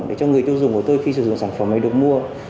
để cho người tiêu dùng của tôi khi sử dụng sản phẩm này được mua